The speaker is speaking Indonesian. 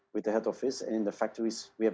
kita melakukan sesuatu yang baik